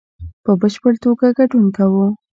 په بشپړ توګه ګډون کوو